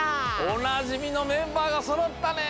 おなじみのメンバーがそろったね！